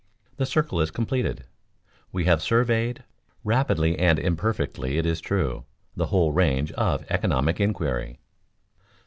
The circle is completed. We have surveyed, rapidly and imperfectly it is true, the whole range of economic inquiry.